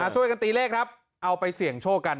ช่วยกันตีเลขครับเอาไปเสี่ยงโชคกัน